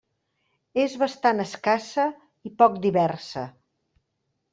És bastant escassa i poc diversa.